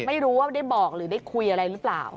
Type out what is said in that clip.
ไม่รู้ว่าได้บอกหรือได้คุยอะไรหรือเปล่า